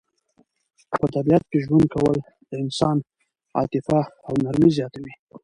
په طبیعت کې ژوند کول د انسان عاطفه او نرمي زیاتوي.